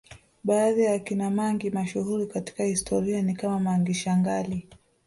Baadhi ya akina mangi mashuhuri katika historia ni kama Mangi Shangali